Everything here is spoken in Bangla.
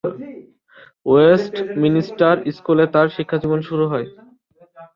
ওয়েস্টমিনস্টার স্কুলে তাঁর শিক্ষাজীবন শুরু হয়।